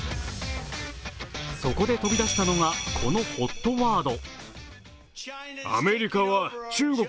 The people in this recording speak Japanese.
そこで飛び出したのがこのＨＯＴワード。